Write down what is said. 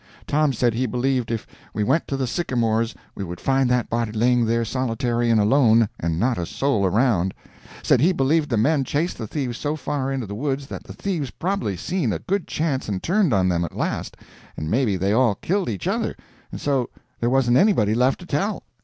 Tom said he believed if we went to the sycamores we would find that body laying there solitary and alone, and not a soul around. Said he believed the men chased the thieves so far into the woods that the thieves prob'ly seen a good chance and turned on them at last, and maybe they all killed each other, and so there wasn't anybody left to tell.